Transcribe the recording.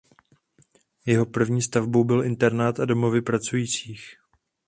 Jejich první stavbou byl internát a domovy pracujících.